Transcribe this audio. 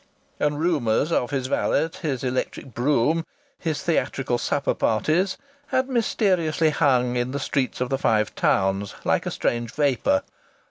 And rumours of his valet, his electric brougham, his theatrical supper parties, had mysteriously hung in the streets of the Five Towns like a strange vapour.